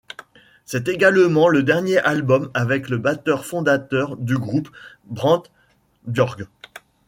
C'est également le dernier album avec le batteur-fondateur du groupe Brant Bjork.